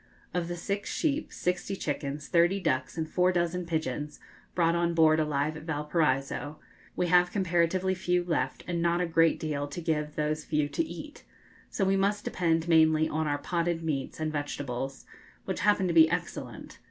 Of the six sheep, sixty chickens, thirty ducks, and four dozen pigeons, brought on board alive at Valparaiso, we have comparatively few left, and not a great deal to give those few to eat; so we must depend mainly on our potted meats and vegetables, which happen to be excellent.